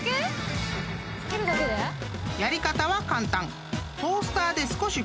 ［やり方は簡単］